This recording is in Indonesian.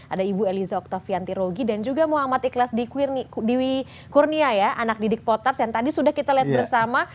ada ibu eliza oktaviantirogi dan juga muhammad ikhlas diwi kurnia ya anak didik potas yang tadi sudah kita lihat bersama